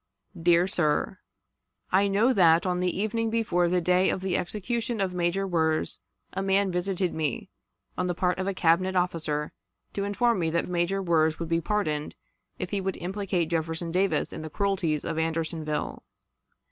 "DEAR SIR: ... I know that, on the evening before the day of the execution of Major Wirz, a man visited me, on the part of a Cabinet officer, to inform me that Major Wirz would be pardoned if he would implicate Jefferson Davis in the cruelties of Andersonville.